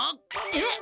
えっ！